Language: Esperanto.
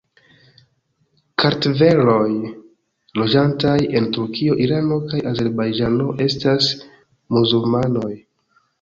Kartveloj loĝantaj en Turkio, Irano kaj Azerbajĝano estas muzulmanoj.